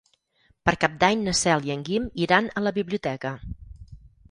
Per Cap d'Any na Cel i en Guim iran a la biblioteca.